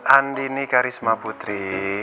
andi nih karisma putri